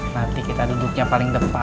nanti kita duduknya paling depan